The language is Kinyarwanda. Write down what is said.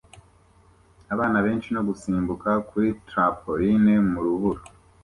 Abana benshi no gusimbuka kuri trampoline mu rubura